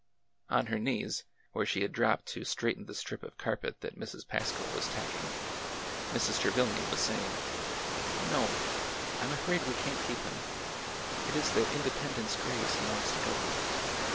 On her knees, where she had dropped to straighten the strip of carpet that Mrs. Pasco was tacking, Mrs. Tre vilian was saying :'' No'm, I 'm afraid we can't keep him. It is the ' Independence Grays ' he wants to go with."